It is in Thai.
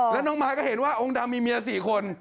แล้วน้องมายก็เห็นว่าองค์ดำมีเมีย๔คน